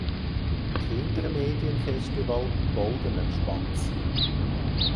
Kinder Medien Festival "Goldener Spatz".